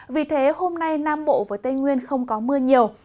vì thế hôm nay nam bộ và tây nguyên không có mưa nhiều